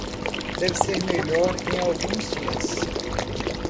Deve ser melhor em alguns dias.